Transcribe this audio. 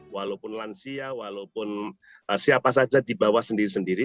walaupun lansia walaupun siapa saja dibawa sendiri sendiri